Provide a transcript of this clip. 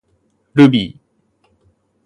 ルビー